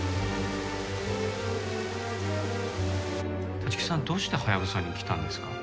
立木さんどうしてハヤブサに来たんですか？